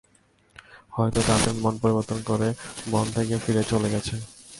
হয়তো তাদের মন পরিবর্তন করে বন থেকে ফিরে চলে গেছে।